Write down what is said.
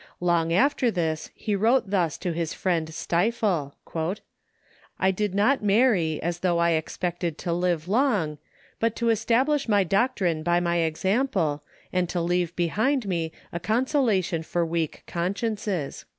Long after this he wrote thus to his friend Stiefel: "I did not marry as though I expected to live long, but to establish my doctrine by my example, and to leave behind me a consolation for weak consciences."